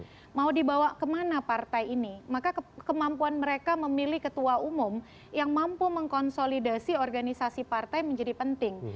kalau mau dibawa kemana partai ini maka kemampuan mereka memilih ketua umum yang mampu mengkonsolidasi organisasi partai menjadi penting